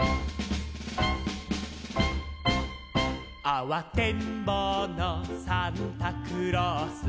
「あわてんぼうのサンタクロース」